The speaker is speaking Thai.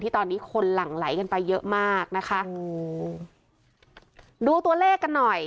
ตอนนี้คนหลั่งไหลกันไปเยอะมากนะคะอืมดูตัวเลขกันหน่อย